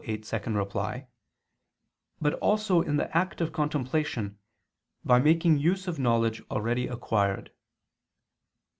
8, ad 2); but also in the act of contemplation, by making use of knowledge already acquired.